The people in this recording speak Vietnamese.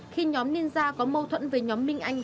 khi nhóm ninja có mâu thuẫn với nhóm minh anh